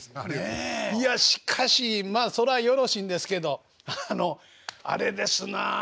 いやしかしまあそらよろしいんですけどあのあれですなあ。